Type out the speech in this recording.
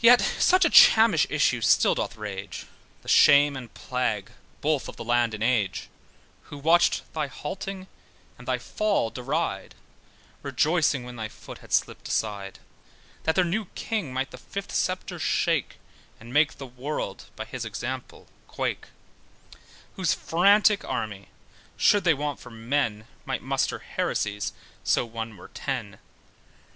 Yet such a Chammish issue still does rage, The shame and plague both of the land and age, Who watched thy halting, and thy fall deride, Rejoicing when thy foot had slipped aside, That their new king might the fifth sceptre shake, And make the world, by his example, quake: Whose frantic army should they want for men Might muster heresies, so one were ten.